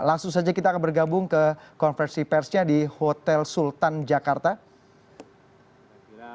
langsung saja kita akan bergabung ke konversi persnya di hotel sultan jakarta